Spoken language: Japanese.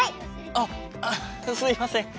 あっすいません。